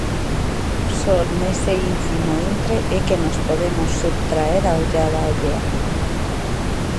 Só nese ínfimo intre é que nos podemos subtraer á ollada allea.